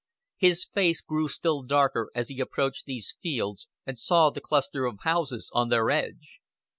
His face grew still darker as he approached these fields and saw the cluster of houses on their edge.